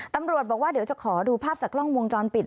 ตำรวจบอกว่าเดี๋ยวจะขอดูภาพจากกล้องวงจรปิด